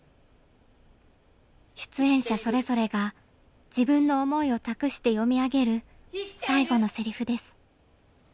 出演者それぞれが自分の思いを託して読み上げる最後のセリフです。